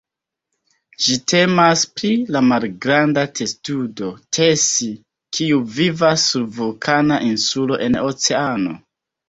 Ĝi temas pri la malgranda testudo "Tesi", kiu vivas sur vulkana insulo en oceano.